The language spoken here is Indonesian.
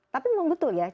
tapi memang betul ya